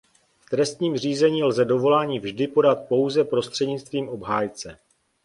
V trestním řízení lze dovolání vždy podat pouze prostřednictvím obhájce.